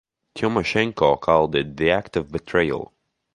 Tymoshenko called it "the act of betrayal".